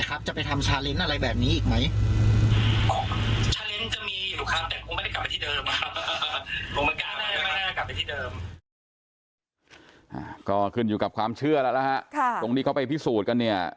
ก็ขึ้นอยู่กับความเชื่อแล้วนะฮะตรงที่เขาไปพิสูจน์กันเนี่ย